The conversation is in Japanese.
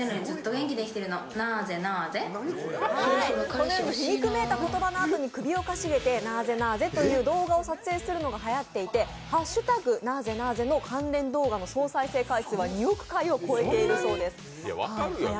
このように皮肉めいた言葉のあとに首をかしげて「なぁぜなぁぜ」という動画を撮影するのがはやっていて「＃なぁぜなぁぜ」の関連動画の総再生回数は２億回を超えているそうです。